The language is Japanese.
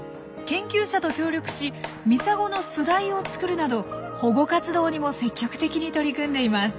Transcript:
研究者と協力しミサゴの巣台を作るなど保護活動にも積極的に取り組んでいます。